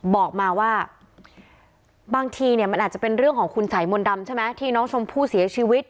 บอกมาว่าบางทีเนี่ยมันอาจจะเป็นเรื่องของคุณสายมนต์ดำใช่ไหมที่น้องชมพู่เสียชีวิต